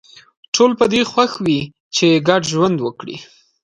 ټول په دې خوښ وي چې ګډ ژوند وکړي